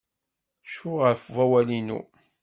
Cfu ɣef wawal-inu!